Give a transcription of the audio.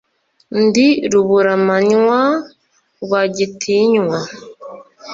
ndi ruburamanywa Rwagitinywa